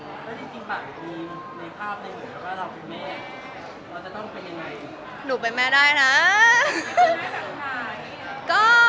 ถ้าที่จริงปั่นอยู่ที่นี่ในภาพได้เหมือนกับว่าเราเป็นแม่